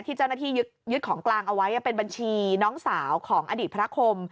ที่เจ้าหน้าที่ยึดของกลางเอาไว้เป็นบัญชีน้องสาวของอดีตพระคม